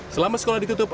selama sekolah ditutup